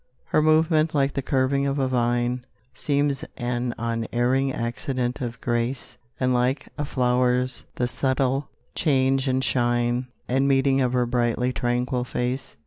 Her movement, like the curving of a vine, Seems an unerring accident of grace, And like a flower's the subtle change and shine And meaning of her brightly tranquil face.